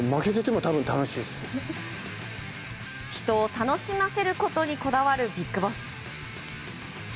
人を楽しませることにこだわるビッグボス。